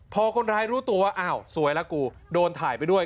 พอคนร้ายรู้ตัวว่าอ้าวสวยแล้วกูโดนถ่ายไปด้วย